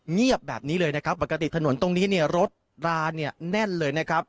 เงียบแบบนี้เลยนะครับปกติถนนตรงนี้เนี่ยรถราเนี่ยแน่นเลยนะครับ